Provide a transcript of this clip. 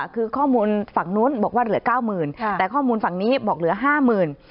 คือข้อมูลฝั่งนู้นบอกว่าเหลือเก้าหมื่นแต่ข้อมูลฝั่งนี้บอกเหลือห้าหมื่น